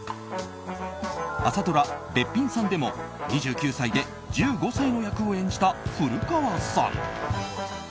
朝ドラ「べっぴんさん」でも２９歳で１５歳の役を演じた古川さん。